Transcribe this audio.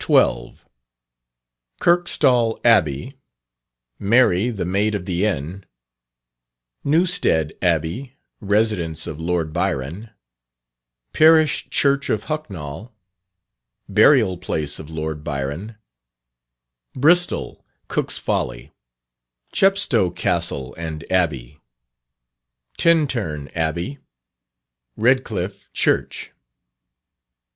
LETTER XII. _Kirkstall Abbey Mary the Maid of the Inn Newstead Abbey: Residence of Lord Byron Parish Church of Hucknall Burial Place of Lord Byron Bristol: "Cook's Folly" Chepstow Castle and Abbey Tintern Abbey Redcliffe Church.